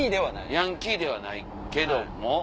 ヤンキーではないけども？